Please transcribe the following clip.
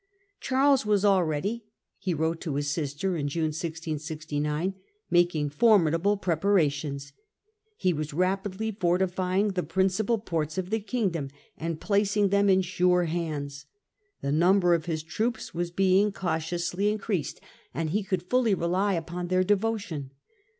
Charles was already, he wrote to his sister in June 1669, making formidable preparations. He was rapidly Charles's fortifying the principal ports of the kingdom, prepara and placing them in sure hands. The number tIons * of his troops was being cautiously increased, and he could fully rely upon their devotion.